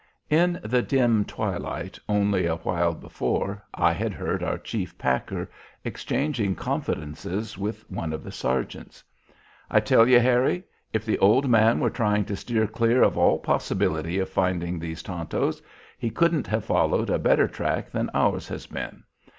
In the dim twilight only a while before I had heard our chief packer exchanging confidences with one of the sergeants, "I tell you, Harry, if the old man were trying to steer clear of all possibility of finding these Tontos, he couldn't have followed a better track than ours has been.